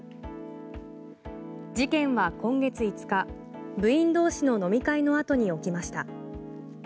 事件は今月５日、部員同士の飲み会の後に起きました。